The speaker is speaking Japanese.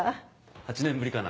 ８年ぶりかな。